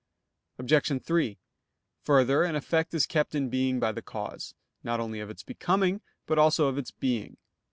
Obj. 3: Further, an effect is kept in being by the cause, not only of its becoming, but also of its being.